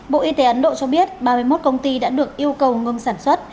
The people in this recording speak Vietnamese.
bộ y tế ấn độ cho biết ba mươi một công ty đã được yêu cầu ngưng sản xuất